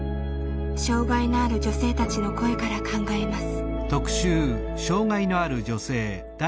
障害のある女性たちの声から考えます。